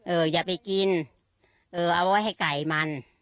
อย่าไปกินเออเอาไว้ให้ไก่มัน